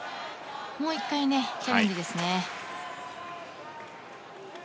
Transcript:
もう１回、チャレンジですね。